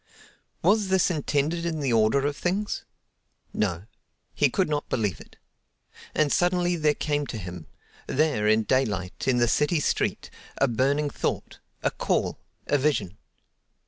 Was this intended in the order of things? No, he could not believe it. And suddenly there came to him—there, in daylight, in the city street—a burning thought, a call, a vision.